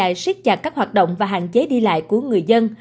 bạc liêu đã xét chặt các hoạt động và hạn chế đi lại của người dân